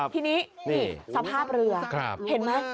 ทีนี้นี่สภาพเรือเห็นไหม